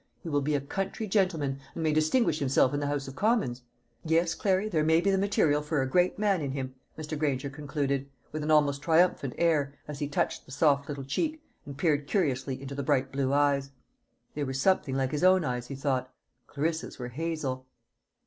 He will be a country gentleman, and may distinguish himself in the House of Commons. Yes, Clary, there may be the material for a great man in him," Mr. Granger concluded, with an almost triumphant air, as he touched the soft little cheek, and peered curiously into the bright blue eyes. They were something like his own eyes, he thought; Clarissa's were hazel.